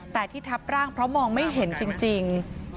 แต่ที่ทับร่างเพราะมองไม่เห็นจริง